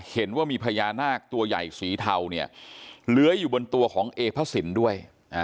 เห็นว่ามีพญานาคตัวใหญ่สีเทาเนี่ยเลื้อยอยู่บนตัวของเอพระสินด้วย